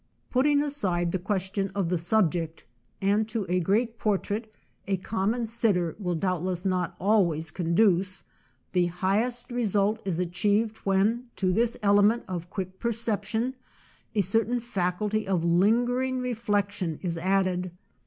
Putting aside the question of the subject (and to a great portrait a com mon sitter will doubtless not always con duce), the highest result is achieved when to this element of quick perception a cer tain faculty of lingering reflection is'add ed.